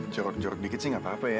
jorok jorok dikit sih gak apa apa ya